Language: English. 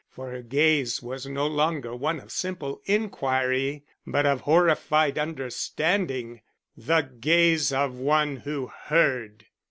For her gaze was no longer one of simple inquiry but of horrified understanding; the gaze of one who heard.